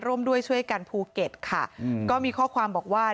ร่วมด้วยช่วยกันภูเก็ตค่ะก็มีข้อความบอกว่า